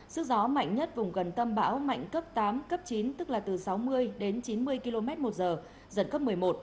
sức gió mạnh nhất vùng gần tâm bão mạnh cấp tám cấp chín tức là từ sáu mươi đến chín mươi km một giờ giật cấp một mươi một